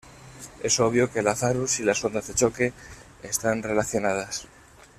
Es obvio que Lazarus y las ondas de choque están relacionadas.